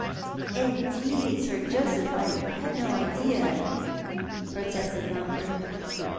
" Indeed, Sir Joseph, I had no idea " protested !Mountford.